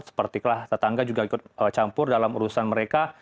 sepertiklah tetangga juga ikut campur dalam urusan mereka